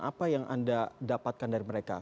apa yang anda dapatkan dari mereka